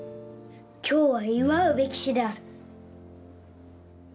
今日は祝うべき日である。